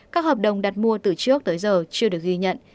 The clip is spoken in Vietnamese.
các hợp đồng đặt mua từ trước tới giờ chưa được ghi nhận